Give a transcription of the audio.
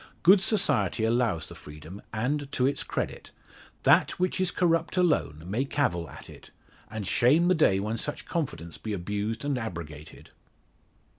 Good society allows the freedom, and to its credit. That which is corrupt alone may cavil at it, and shame the day when such confidence be abused and abrogated!